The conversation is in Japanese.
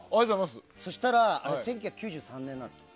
そしたら、１９９３年なの。